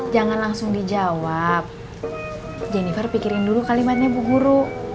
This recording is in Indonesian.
jangan langsung dijawab jennifer pikirin dulu kalimatnya ibu guru